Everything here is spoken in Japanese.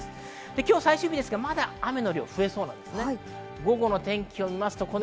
今日最終日ですが、まだ雨の量増えそうなんです。